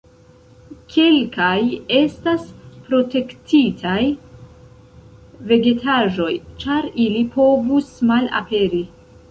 Kelkaj estas protektitaj vegetaĵoj, ĉar ili povus malaperi.